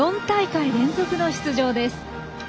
４大会連続の出場です。